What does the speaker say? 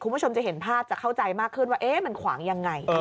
คุณผู้ชมจะเห็นภาพจะเข้าใจมากขึ้นว่ามันขวางยังไง